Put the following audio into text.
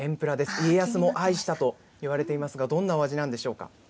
家康も愛したといわれていますが、どんなお味なんでしょうか。